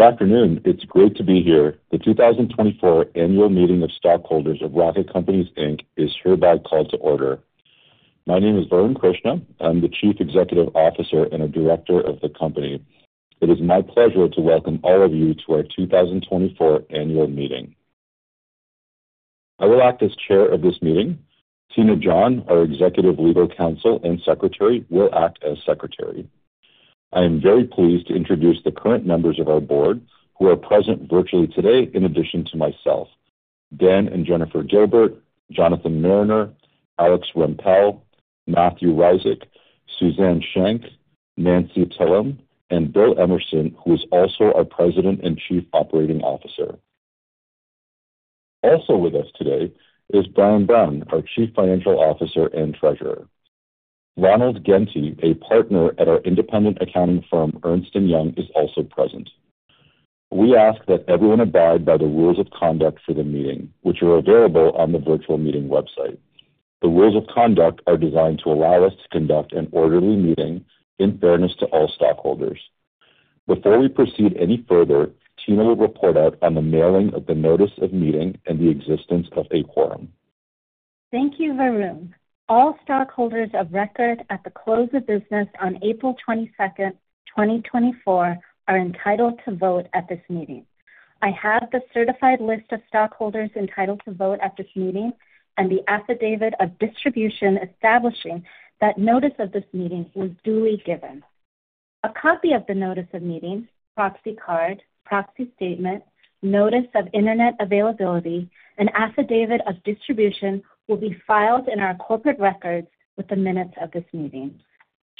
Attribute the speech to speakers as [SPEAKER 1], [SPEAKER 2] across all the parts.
[SPEAKER 1] Good afternoon. It's great to be here. The 2024 Annual Meeting of Stockholders of Rocket Companies, Inc. is hereby called to order. My name is Varun Krishna. I'm the Chief Executive Officer and a Director of the company. It is my pleasure to welcome all of you to our 2024 annual meeting. I will act as chair of this meeting. Tina John, our Executive Legal Counsel and Secretary, will act as secretary. I am very pleased to introduce the current members of our board who are present virtually today, in addition to myself, Dan and Jennifer Gilbert, Jonathan Mariner, Alex Rampell, Matthew Rizik, Suzanne Shank, Nancy Tellem, and Bill Emerson, who is also our President and Chief Operating Officer. Also with us today is Brian Brown, our Chief Financial Officer and Treasurer. Ronald Gentz, a partner at our independent accounting firm, Ernst & Young, is also present. We ask that everyone abide by the rules of conduct for the meeting, which are available on the virtual meeting website. The rules of conduct are designed to allow us to conduct an orderly meeting in fairness to all stockholders. Before we proceed any further, Tina will report out on the mailing of the notice of meeting and the existence of a quorum.
[SPEAKER 2] Thank you, Varun. All stockholders of record at the close of business on April 22, 2024, are entitled to vote at this meeting. I have the certified list of stockholders entitled to vote at this meeting and the affidavit of distribution establishing that notice of this meeting was duly given. A copy of the notice of meeting, proxy card, proxy statement, notice of internet availability, and affidavit of distribution will be filed in our corporate records with the minutes of this meeting.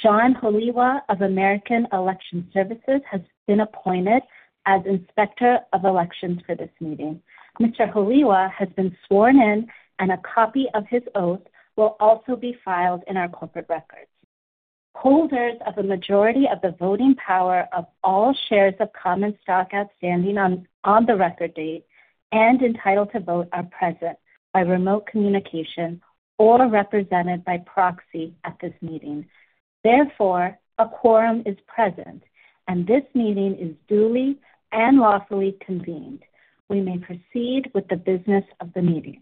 [SPEAKER 2] John Alowa of American Election Services has been appointed as Inspector of Elections for this meeting. Mr. Holiwa has been sworn in, and a copy of his oath will also be filed in our corporate records. Holders of a majority of the voting power of all shares of common stock outstanding on the record date and entitled to vote are present by remote communication or represented by proxy at this meeting. Therefore, a quorum is present, and this meeting is duly and lawfully convened. We may proceed with the business of the meeting.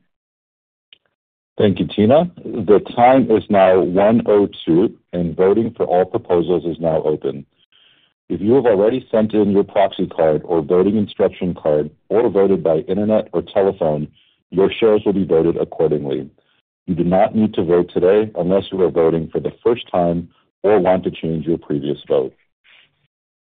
[SPEAKER 1] Thank you, Tina. The time is now 1:02, and voting for all proposals is now open. If you have already sent in your proxy card or voting instruction card, or voted by internet or telephone, your shares will be voted accordingly. You do not need to vote today unless you are voting for the first time or want to change your previous vote.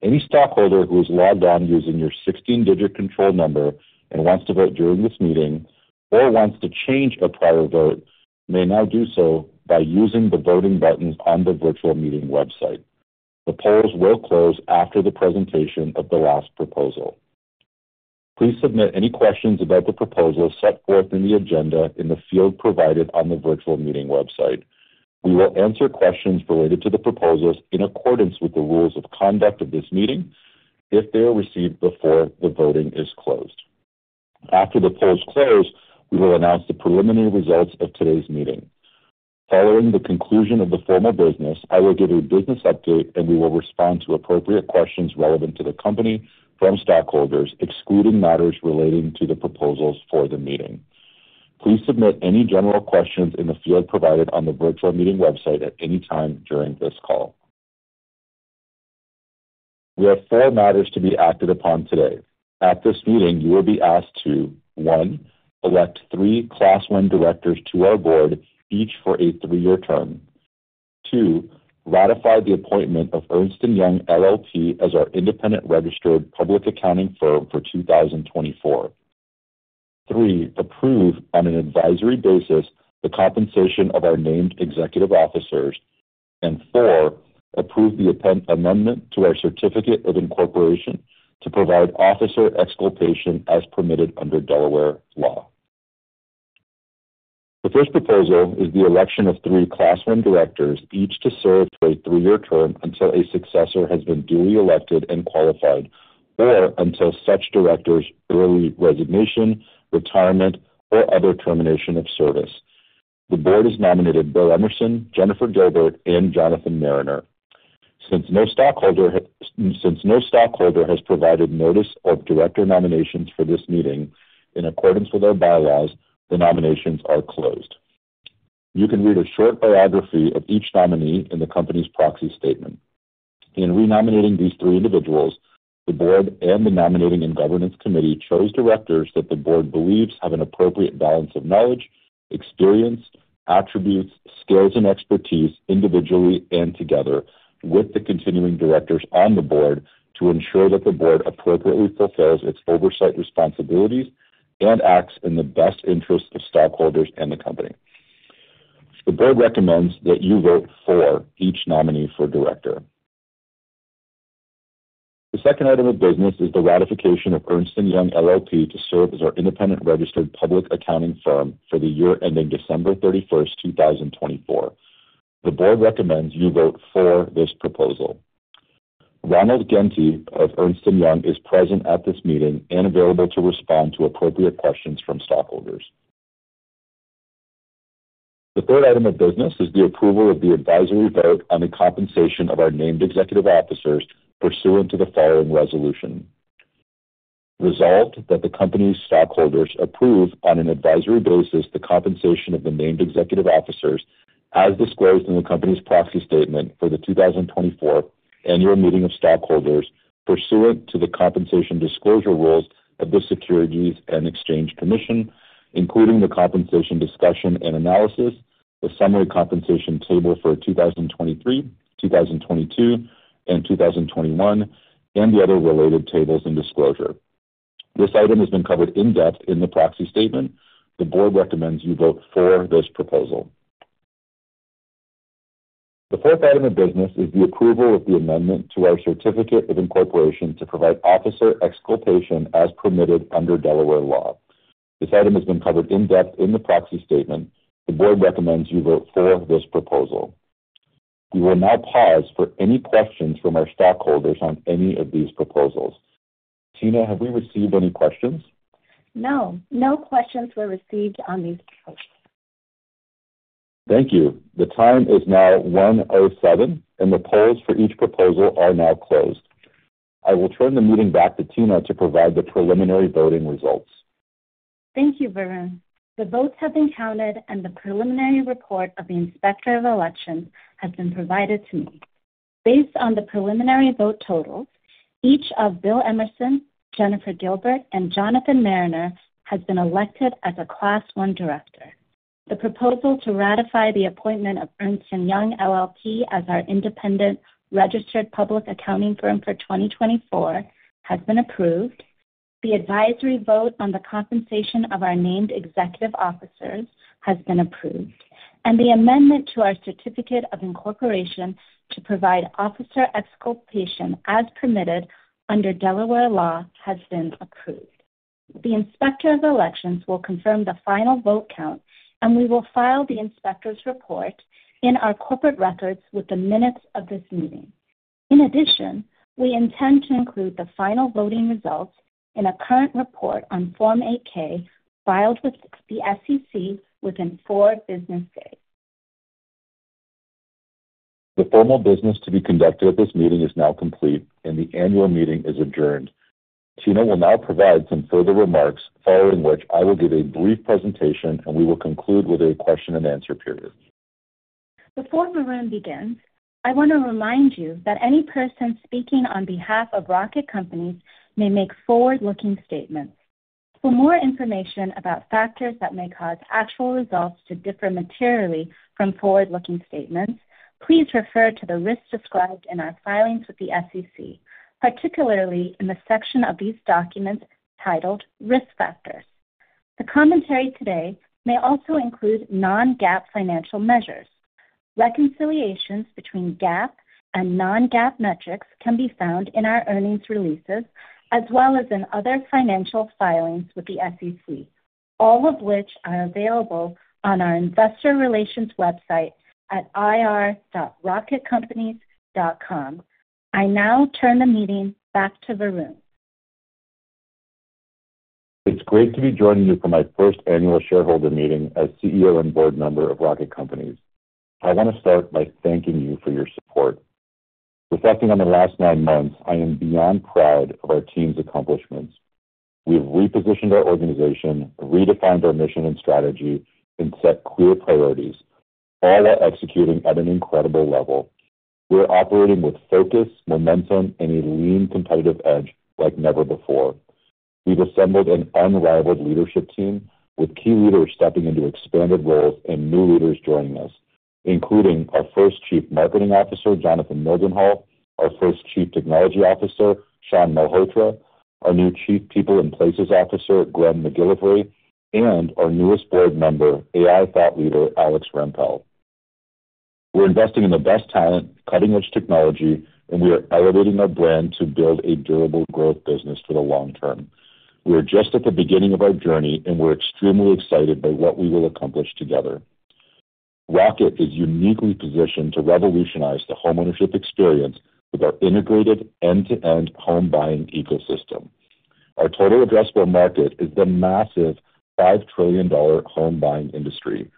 [SPEAKER 1] Any stockholder who is logged on using your 16-digit control number and wants to vote during this meeting or wants to change a prior vote, may now do so by using the voting buttons on the virtual meeting website. The polls will close after the presentation of the last proposal. Please submit any questions about the proposals set forth in the agenda in the field provided on the virtual meeting website. We will answer questions related to the proposals in accordance with the rules of conduct of this meeting, if they are received before the voting is closed. After the polls close, we will announce the preliminary results of today's meeting. Following the conclusion of the formal business, I will give a business update, and we will respond to appropriate questions relevant to the company from stockholders, excluding matters relating to the proposals for the meeting. Please submit any general questions in the field provided on the virtual meeting website at any time during this call. We have four matters to be acted upon today. At this meeting, you will be asked to, 1, elect 3 Class One directors to our board, each for a 3-year term. 2, ratify the appointment of Ernst & Young, LLP, as our independent registered public accounting firm for 2024. Three, approve, on an advisory basis, the compensation of our named executive officers. And four, approve the amendment to our certificate of incorporation to provide officer exculpation as permitted under Delaware law. The first proposal is the election of three Class One directors, each to serve for a three-year term until a successor has been duly elected and qualified, or until such director's early resignation, retirement, or other termination of service. The board has nominated Bill Emerson, Jennifer Gilbert, and Jonathan Mariner. Since no stockholder has provided notice of director nominations for this meeting, in accordance with our bylaws, the nominations are closed. You can read a short biography of each nominee in the company's proxy statement. In renominating these three individuals, the board and the Nominating and Governance Committee chose directors that the board believes have an appropriate balance of knowledge, experience, attributes, skills, and expertise individually and together with the continuing directors on the board, to ensure that the board appropriately fulfills its oversight responsibilities and acts in the best interest of stockholders and the company. The board recommends that you vote for each nominee for director. The second item of business is the ratification of Ernst & Young, LLP, to serve as our independent registered public accounting firm for the year ending December 31, 2024. The board recommends you vote for this proposal. Ronald Gentz of Ernst & Young is present at this meeting and available to respond to appropriate questions from stockholders. The third item of business is the approval of the advisory vote on the compensation of our named executive officers pursuant to the following resolution. Resolved that the company's stockholders approve, on an advisory basis, the compensation of the named executive officers, as disclosed in the company's proxy statement for the 2024 annual meeting of stockholders, pursuant to the compensation disclosure rules of the Securities and Exchange Commission, including the compensation discussion and analysis, the summary compensation table for 2023, 2022, and 2021, and the other related tables and disclosure. This item has been covered in depth in the proxy statement. The board recommends you vote for this proposal. The fourth item of business is the approval of the amendment to our certificate of incorporation to provide officer exculpation as permitted under Delaware law. This item has been covered in depth in the proxy statement. The board recommends you vote for this proposal. We will now pause for any questions from our stockholders on any of these proposals. Tina, have we received any questions?
[SPEAKER 2] No. No questions were received on these proposals.
[SPEAKER 1] Thank you. The time is now 1:07, and the polls for each proposal are now closed. I will turn the meeting back to Tina to provide the preliminary voting results.
[SPEAKER 2] Thank you, Varun. The votes have been counted, and the preliminary report of the Inspector of Election has been provided to me. Based on the preliminary vote totals, each of Bill Emerson, Jennifer Gilbert, and Jonathan Mariner has been elected as a Class One director. The proposal to ratify the appointment of Ernst & Young LLP as our independent registered public accounting firm for 2024 has been approved. The advisory vote on the compensation of our named executive officers has been approved, and the amendment to our certificate of incorporation to provide officer exculpation as permitted under Delaware law has been approved. The Inspector of Elections will confirm the final vote count, and we will file the inspector's report in our corporate records with the minutes of this meeting. In addition, we intend to include the final voting results in a current report on Form 8-K, filed with the SEC within four business days.
[SPEAKER 1] The formal business to be conducted at this meeting is now complete, and the annual meeting is adjourned. Tina will now provide some further remarks, following which I will give a brief presentation, and we will conclude with a question and answer period.
[SPEAKER 2] Before Varun begins, I want to remind you that any person speaking on behalf of Rocket Companies may make forward-looking statements. For more information about factors that may cause actual results to differ materially from forward-looking statements, please refer to the risks described in our filings with the SEC, particularly in the section of these documents titled Risk Factors. The commentary today may also include non-GAAP financial measures. Reconciliations between GAAP and non-GAAP metrics can be found in our earnings releases, as well as in other financial filings with the SEC, all of which are available on our investor relations website at ir.rocketcompanies.com. I now turn the meeting back to Varun.
[SPEAKER 1] It's great to be joining you for my first annual shareholder meeting as CEO and board member of Rocket Companies. I want to start by thanking you for your support. Reflecting on the last nine months, I am beyond proud of our team's accomplishments. We have repositioned our organization, redefined our mission and strategy, and set clear priorities, all while executing at an incredible level. We are operating with focus, momentum, and a lean, competitive edge like never before. We've assembled an unrivaled leadership team, with key leaders stepping into expanded roles and new leaders joining us, including our first Chief Marketing Officer, Jonathan Mildenhall, our first Chief Technology Officer, Shawn Malhotra, our new Chief People and Places Officer, Glenn McGillivray, and our newest board member, AI thought leader, Alex Rampell. We're investing in the best talent, cutting-edge technology, and we are elevating our brand to build a durable growth business for the long term. We are just at the beginning of our journey, and we're extremely excited by what we will accomplish together. Rocket is uniquely positioned to revolutionize the homeownership experience with our integrated end-to-end home buying ecosystem. Our total addressable market is the massive $5 trillion home buying industry.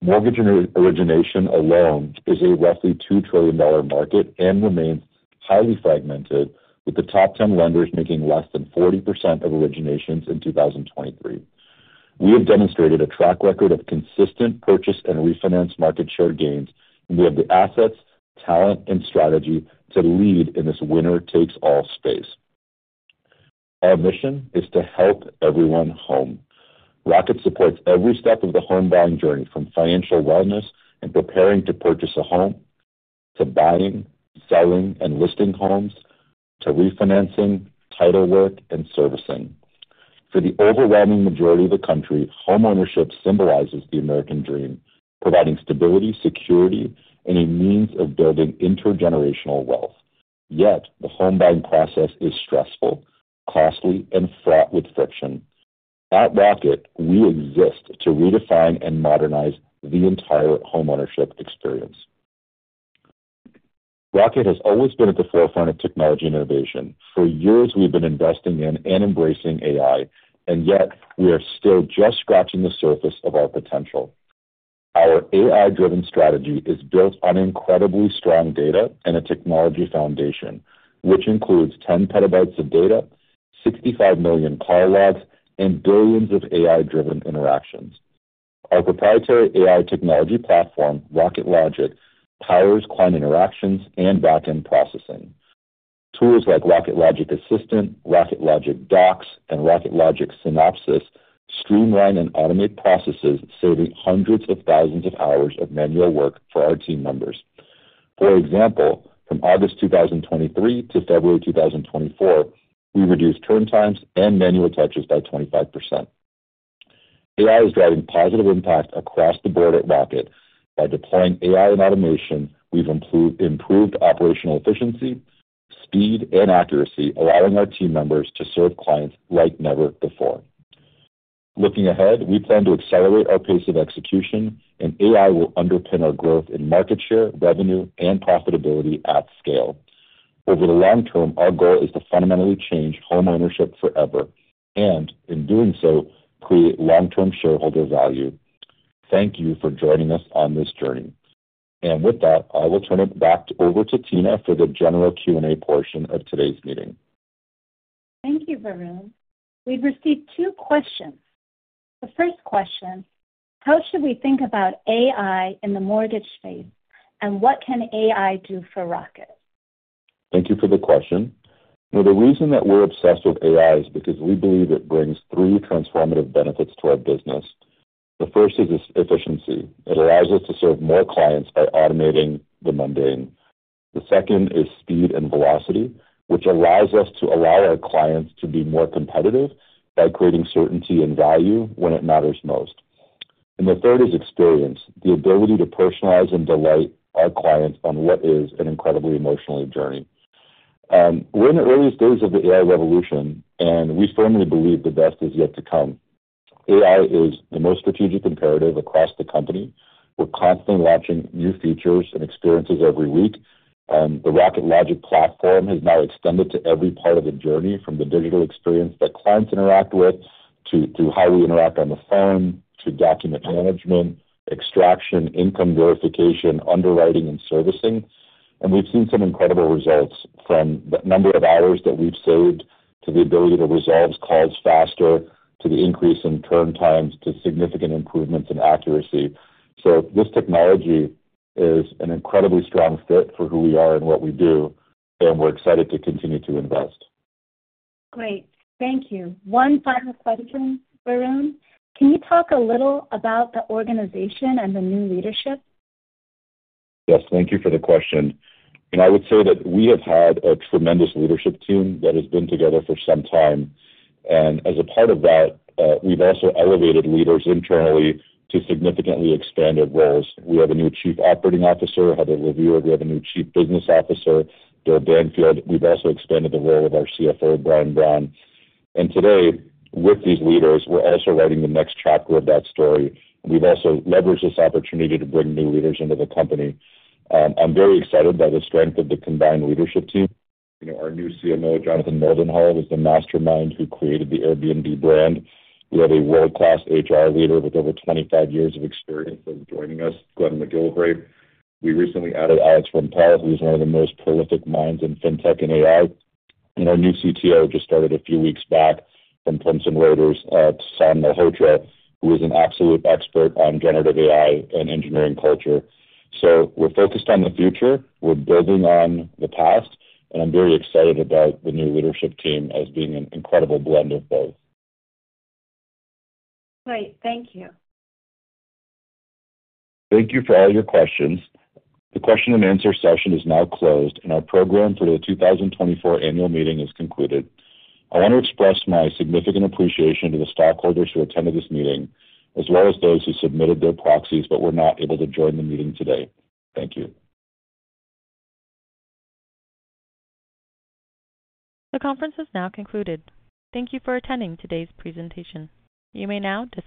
[SPEAKER 1] Mortgage origination alone is a roughly $2 trillion market and remains highly fragmented, with the top 10 lenders making less than 40% of originations in 2023. We have demonstrated a track record of consistent purchase and refinance market share gains, and we have the assets, talent, and strategy to lead in this winner-takes-all space. Our mission is to help everyone home. Rocket supports every step of the home buying journey, from financial wellness and preparing to purchase a home, to buying, selling, and listing homes, to refinancing, title work, and servicing. For the overwhelming majority of the country, homeownership symbolizes the American dream, providing stability, security, and a means of building intergenerational wealth. Yet, the home buying process is stressful, costly, and fraught with friction. At Rocket, we exist to redefine and modernize the entire homeownership experience... Rocket has always been at the forefront of technology and innovation. For years, we've been investing in and embracing AI, and yet we are still just scratching the surface of our potential. Our AI-driven strategy is built on incredibly strong data and a technology foundation, which includes 10 PB of data, 65 million call logs, and billions of AI-driven interactions. Our proprietary AI technology platform, Rocket Logic, powers client interactions and backend processing. Tools like Rocket Logic Assistant, Rocket Logic Docs, and Rocket Logic Synopsis streamline and automate processes, saving hundreds of thousands of hours of manual work for our team members. For example, from August 2023 to February 2024, we reduced turn times and manual touches by 25%. AI is driving positive impact across the board at Rocket. By deploying AI and automation, we've improved operational efficiency, speed, and accuracy, allowing our team members to serve clients like never before. Looking ahead, we plan to accelerate our pace of execution, and AI will underpin our growth in market share, revenue, and profitability at scale. Over the long term, our goal is to fundamentally change homeownership forever and, in doing so, create long-term shareholder value. Thank you for joining us on this journey. With that, I will turn it back over to Tina for the general Q&A portion of today's meeting.
[SPEAKER 2] Thank you, Varun. We've received two questions. The first question: How should we think about AI in the mortgage space, and what can AI do for Rocket?
[SPEAKER 1] Thank you for the question. Well, the reason that we're obsessed with AI is because we believe it brings three transformative benefits to our business. The first is efficiency. It allows us to serve more clients by automating the mundane. The second is speed and velocity, which allows us to allow our clients to be more competitive by creating certainty and value when it matters most. And the third is experience, the ability to personalize and delight our clients on what is an incredibly emotional journey. We're in the earliest days of the AI revolution, and we firmly believe the best is yet to come. AI is the most strategic imperative across the company. We're constantly launching new features and experiences every week, and the Rocket Logic Platform has now extended to every part of the journey, from the digital experience that clients interact with, to how we interact on the phone, to document management, extraction, income verification, underwriting, and servicing. We've seen some incredible results from the number of hours that we've saved, to the ability to resolve calls faster, to the increase in turn times, to significant improvements in accuracy. This technology is an incredibly strong fit for who we are and what we do, and we're excited to continue to invest.
[SPEAKER 2] Great, thank you. One final question, Varun. Can you talk a little about the organization and the new leadership?
[SPEAKER 1] Yes, thank you for the question. I would say that we have had a tremendous leadership team that has been together for some time, and as a part of that, we've also elevated leaders internally to significantly expanded roles. We have a new Chief Operating Officer, Heather Lovier. We have a new Chief Business Officer, Bill Banfield. We've also expanded the role of our CFO, Brian Brown. Today, with these leaders, we're also writing the next chapter of that story. We've also leveraged this opportunity to bring new leaders into the company. I'm very excited by the strength of the combined leadership team. You know, our new CMO, Jonathan Mildenhall, was the mastermind who created the Airbnb brand. We have a world-class HR leader with over 25 years of experience of joining us, Glenn McGillivray. We recently added Alex Rampell, who is one of the most prolific minds in fintech and AI. Our new CTO just started a few weeks back from Pluralsight, Shawn Malhotra, who is an absolute expert on generative AI and engineering culture. We're focused on the future, we're building on the past, and I'm very excited about the new leadership team as being an incredible blend of both.
[SPEAKER 2] Great. Thank you.
[SPEAKER 1] Thank you for all your questions. The question and answer session is now closed, and our program for the 2024 annual meeting is concluded. I want to express my significant appreciation to the stockholders who attended this meeting, as well as those who submitted their proxies but were not able to join the meeting today. Thank you.
[SPEAKER 3] The conference is now concluded. Thank you for attending today's presentation. You may now disconnect.